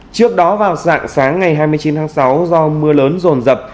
trước đó vào dạng sáng ngày hai mươi chín tháng sáu do mưa lớn rồn rập